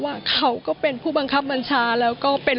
ลูกชายวัย๑๘ขวบบวชหน้าไฟให้กับพุ่งชนจนเสียชีวิตแล้วนะครับ